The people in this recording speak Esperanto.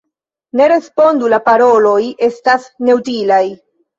Ne respondu: la paroloj estas neutilaj.